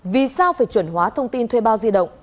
vì sao phải chuẩn hóa thông tin thuê bao di động